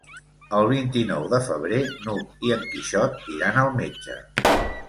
El vint-i-nou de febrer n'Hug i en Quixot iran al metge.